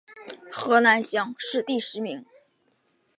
河南乡试第十名。